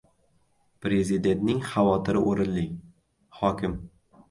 Prezidentning xavotiri o‘rinli — Hokim